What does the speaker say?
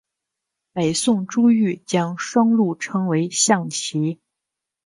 北宋朱彧将双陆称为象棋。